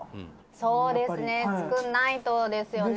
「そうですね作らないとですよね。